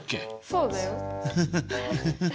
そうだよ。